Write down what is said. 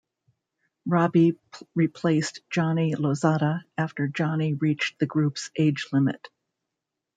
Robi replaced Johnny Lozada after Johnny reached the group's age limit.